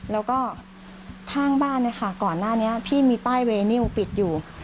แล้วก็ข้างบ้านเนี่ยค่ะก่อนหน้านี้พี่มีป้ายเวนิวปิดอยู่